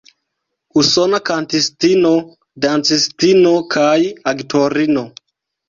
Usona kantistino, dancistino kaj aktorino.